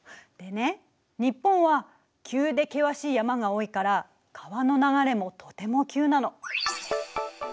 でね日本は急で険しい山が多いから川の流れもとても急なの。